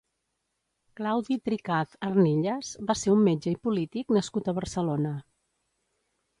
Claudi Tricaz Arnillas va ser un metge i polític nascut a Barcelona.